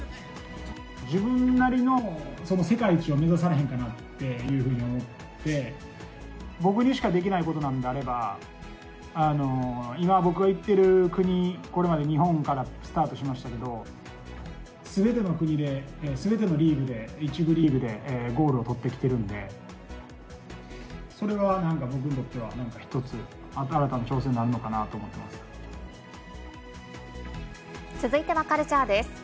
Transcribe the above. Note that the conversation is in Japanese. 自分なりの、その世界一を目指されへんかなというふうに思って、僕にしかできないことなんであれば、今、僕が行っている国、これまで日本からスタートしましたけど、すべての国で、すべてのリーグで、１部リーグでゴールを取ってきてるんで、それはなんか僕にとっては、なんか一つ、新たな挑戦になるの続いてはカルチャーです。